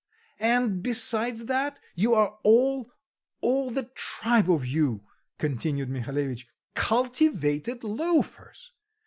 "And, besides that, you are all, all the tribe of you," continued Mihalevitch, "cultivated loafers.